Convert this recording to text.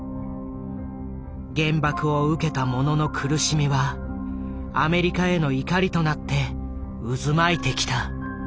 原爆を受けた者の苦しみはアメリカへの怒りとなって渦巻いてきた。